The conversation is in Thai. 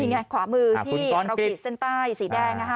นี่ไงขวามือที่เราขีดเส้นใต้สีแดง